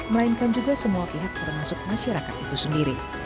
melainkan juga semua pihak termasuk masyarakat itu sendiri